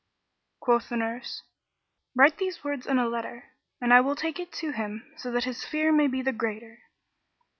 Quoth the nurse, "Write these words in a letter and I will take it to him that his fear may be the greater."